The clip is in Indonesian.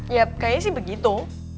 yap kayaknya sih begitu